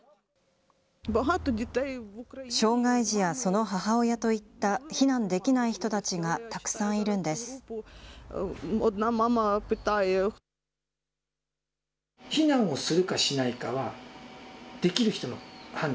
障害児やその母親といった避難できない人たちがたくさんいるんです。